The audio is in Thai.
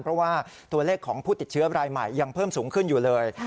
เพราะว่าตัวเลขของผู้ติดเชื้อรายใหม่ยังเพิ่มสูงขึ้นอยู่เลย